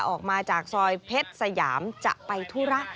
ออกมาจากซอยเพชรสยามจะไปธุระ